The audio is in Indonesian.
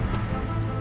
lo mau kemana